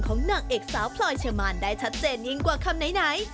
หลังจากที่เจ้าตัวเปิดศึกกับชาวเน็ตที่เข้ามาคอมเม้นต์อินสตาแกรม